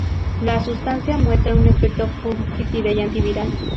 La sustancia muestra un efecto fungicida y antiviral.